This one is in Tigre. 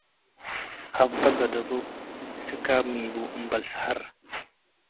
አ’በ ገደቦ - ስካብ ሚቡ አምበል ሰሀር